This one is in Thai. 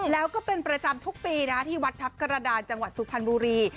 แล้วก็เป็นประจำทุกปีนะที่วัดทัพกระดานจังหวัดสุพรรณบุรี